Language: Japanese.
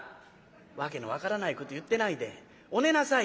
「わけの分からないこと言ってないでお寝なさいよ」。